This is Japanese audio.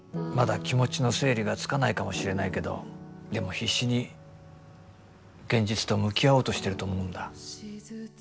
まだ気持ちの整理がつかないかもしれないけどでも必死に現実と向き合おうとしてると思うんだ。